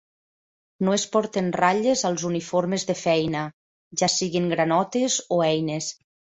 No es porten ratlles als uniformes de feina, ja siguin granotes o eines.